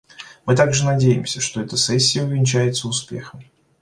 Мы также надеемся, что эта сессия увенчается успехом.